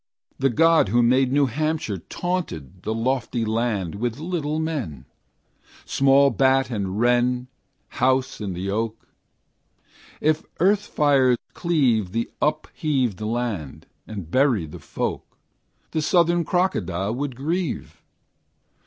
The God who made New Hampshire Taunted the lofty land With little men; Small bat and wren House in the oak: If earth fire cleave The upheaved land, and bury the folk, The southern crocodile would grieve.